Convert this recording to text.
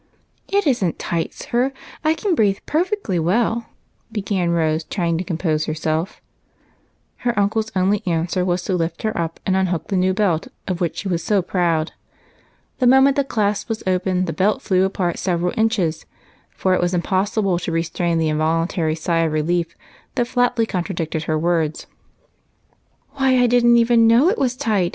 " It is n't tight, sir ; I can breathe perfectly well," began Rose, trvinsr to compose herself. A BELT AND A BOX. 49 Her uncle's only answer was to lift her up and unhook the new belt of which she was so proud. The moment the clasp was open the belt flew apart several inches, for it was impossible to restrain the involuntary sigh of rehef that flatly contradicted her words. "Why, I didn't know it was tight!